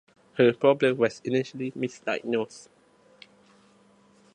Her problem was initially misdiagnosed.